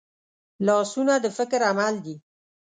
لاسونه د فکر عمل دي